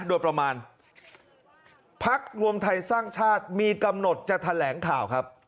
โดยประมาณพักรวมไทยสร้างชาติมีกำหนดจะแถลงข่าวครับ